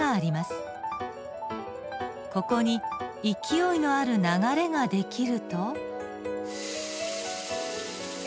ここに勢いのある流れが出来ると。